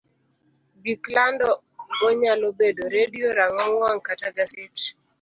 gik lando go nyalo bedo redio, rang'ong wang', kata gaset.